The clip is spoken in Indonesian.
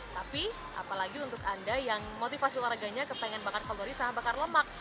tapi apalagi untuk anda yang motivasi olahraganya kepengen bakar kalori sama bakar lemak